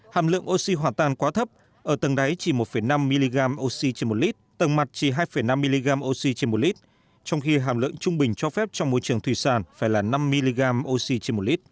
hàm lượng oxy hoàn toàn quá thấp ở tầng đáy chỉ một năm mg oxy trên một lít tầng mặt chỉ hai năm mg oxy trên một lít trong khi hàm lượng trung bình cho phép trong môi trường thủy sản phải là năm mg oxy trên một lít